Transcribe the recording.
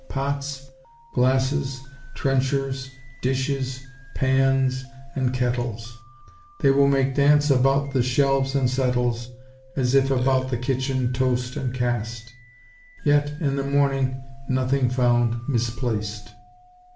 Pots, glasses, trenchers, dishes, pannes, and kettles, They will make dance about the shelves and settles, As if about the kitchen tost and cast, Yet in the morning nothing found misplac't."